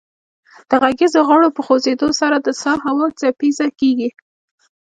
د غږیزو غړو په خوځیدو سره د سا هوا څپیزه کیږي